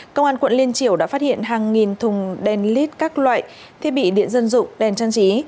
công an quận liên triều đã phát hiện hàng nghìn thùng đèn led các loại thiết bị điện dân dụng đèn trang trí